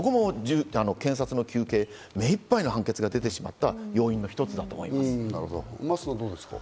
検察の求刑、めいっぱいの判決が出てしまった要因の一つだと思い真麻さん、どうですか？